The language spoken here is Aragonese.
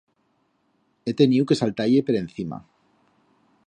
He teniu que saltar-ie per encima.